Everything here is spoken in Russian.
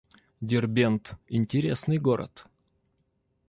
Дербент — интересный город